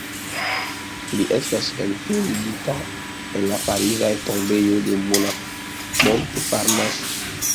Li estas enterigita en la pariza tombejo de Montparnasse.